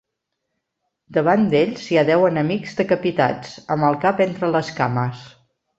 Davant d'ells hi ha deu enemics decapitats, amb el cap entre les cames.